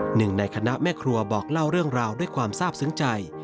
หนึ่งในคณะแม่ครัวบอกเล่าเรื่องราวด้วยความทราบซึ้งใจ